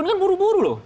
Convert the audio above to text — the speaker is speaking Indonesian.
ini kan buru buru loh